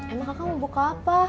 emang kakak mau buka apa